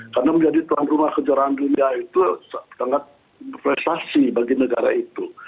karena menjadi tuan rumah kejaraan dunia itu sangat prestasi bagi negara itu